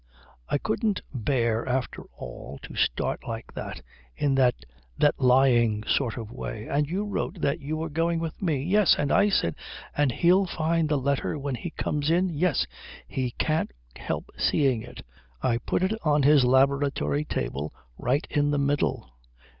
"I couldn't bear after all to start like that, in that that lying sort of way." "And you wrote that you were going with me?" "Yes. And I said " "And he'll find the letter when he comes in?" "Yes. He can't help seeing it. I put it on his laboratory table, right in the middle."